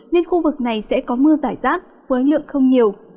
nên khu vực này sẽ có mưa giải rác với lượng không nhiều